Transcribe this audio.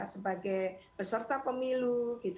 sebagai peserta pemilu